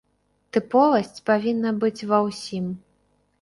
Тыповасць павінна быць ва ўсім.